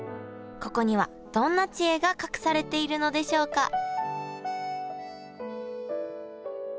ここにはどんな知恵が隠されているのでしょうか？